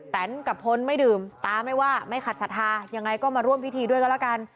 แต่นกับพลไม่ดื่มตาไม่ว่าไม่ขัดศรัทธายังไงก็มาร่วมพิธีด้วยก็แล้วกัน